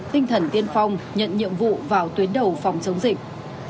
tinh thần tiên phong nhận nhiệm vụ vào tuyến đầu phòng chống dịch